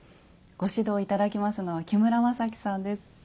ご指導頂きますのは木村雅基さんです。